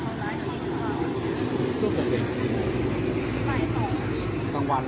ตอนนี้กำหนังไปคุยของผู้สาวว่ามีคนละตบ